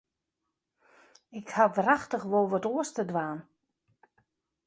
Ik haw wrachtich wol wat oars te dwaan.